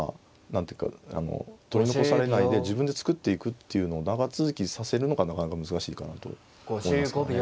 何ていうか取り残されないで自分で作っていくっていうのを長続きさせるのがなかなか難しいかなと思いますからね。